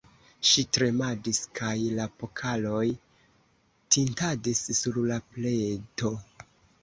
Ŝi tremadis, kaj la pokaloj tintadis sur la pleto.